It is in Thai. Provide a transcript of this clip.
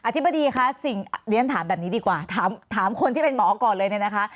ธิบดีคะสิ่งเรียนถามแบบนี้ดีกว่าถามคนที่เป็นหมอก่อนเลยเนี่ยนะคะ